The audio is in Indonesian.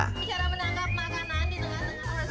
cara menangkap makanan di tengah tengah rangkong